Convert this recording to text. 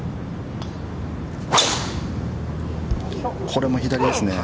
これも左ですね。